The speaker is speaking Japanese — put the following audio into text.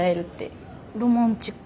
ロマンチック？